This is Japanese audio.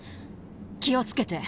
気を付けて。